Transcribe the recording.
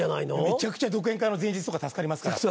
めちゃくちゃ独演会の前日とか助かりますから。